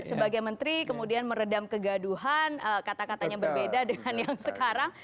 sebagai menteri kemudian meredam kegaduhan kata katanya berbeda dengan yang sekarang